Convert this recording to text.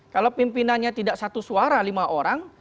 kalau pimpinannya tidak satu suara lima orang